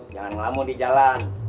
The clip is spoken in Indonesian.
jangan ngelamun di jalan